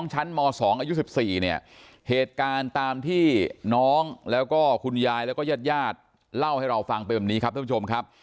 ชั้นม๒อายุ๑๔เนี่ยเหตุการณ์ตามที่น้องแล้วก็คุณยายแล้วก็ญาติญาติเล่าให้เราฟังเป็นแบบนี้ครับท่านผู้ชมครับ